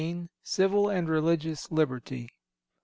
CIVIL AND RELIGIOUS LIBERTY.